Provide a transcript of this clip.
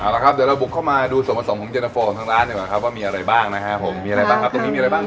เอาละครับเดี๋ยวเราบุกเข้ามาดูส่วนผสมของเย็นตะโฟของทางร้านดีกว่าครับว่ามีอะไรบ้างนะครับผมมีอะไรบ้างครับตรงนี้มีอะไรบ้าง